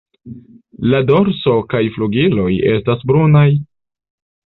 La dorso kaj flugiloj estas brunaj.